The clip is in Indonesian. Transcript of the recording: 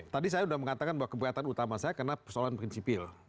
tadi saya sudah mengatakan bahwa keberatan utama saya karena persoalan prinsipil